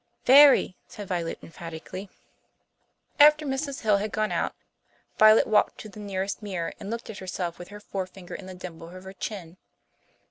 "Very," said Violet emphatically. After Mrs. Hill had gone out Violet walked to the nearest mirror and looked at herself with her forefinger in the dimple of her chin.